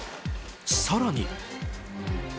更に。